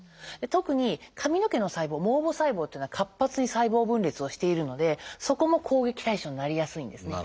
特に髪の毛の細胞毛母細胞というのは活発に細胞分裂をしているのでそこも攻撃対象になりやすいんですね。